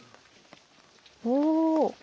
お。